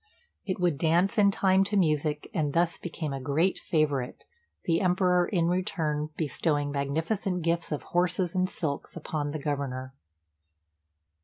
It would dance in time to music, and thus became a great favourite, the Emperor in return bestowing magnificent gifts of horses and silks upon the Governor.